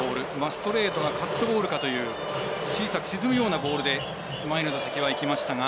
ストレートかカットボールか小さく沈むようなボールで前の打席はいきましたが。